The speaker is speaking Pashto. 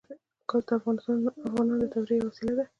ګاز د افغانانو د تفریح یوه وسیله ده.